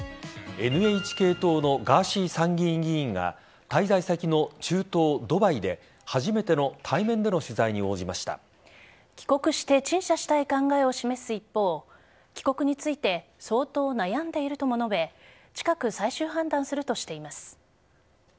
ＮＨＫ党のガーシー参議院議員が滞在先の中東・ドバイで初めての対面での取材に帰国して陳謝したい考えを示す一方帰国について相当悩んでいるとも述べ近く最終判断するとしています。